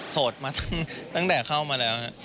สดมาตั้งแต่เข้ามาแล้ว